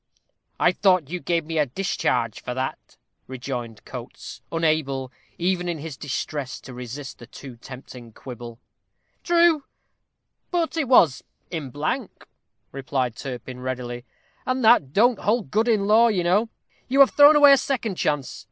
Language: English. "I thought you gave me a discharge for that," rejoined Coates, unable, even in his distress, to resist the too tempting quibble. "True, but it was in blank," replied Turpin readily; "and that don't hold good in law, you know. You have thrown away a second chance.